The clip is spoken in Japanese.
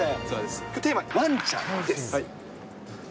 きょうテーマ、ワンちゃんです。